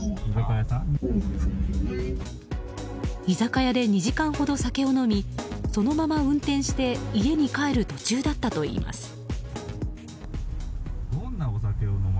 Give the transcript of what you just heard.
居酒屋で２時間ほど酒を飲みそのまま運転して家に帰る途中だったといいます。